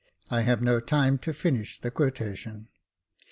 I have no time to finish the quotation."